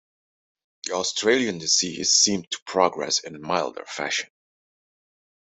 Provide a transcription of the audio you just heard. The Australian disease seemed to progress in milder fashion.